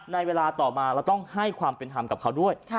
ในเวลาต่อมาเราต้องให้ความเป็นธรรมกับเขาด้วย